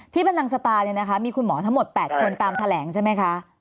ที่พนักศาสตรามีคุณหมอทั้งหมด๘คนตามแถลงใช่ไหมคะ